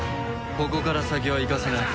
ここから先は行かせない。